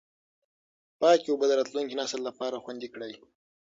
پاکې اوبه د راتلونکي نسل لپاره خوندي کړئ.